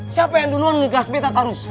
siapa yang duluan ngegas beta terus